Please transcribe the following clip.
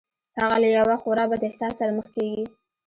هغه له یوه خورا بد احساس سره مخ کېږي